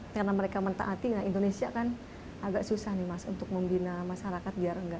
karena mereka mentaati indonesia kan agak susah nih mas untuk membina masyarakat